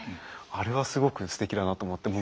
あれはすごくすてきだなと思って。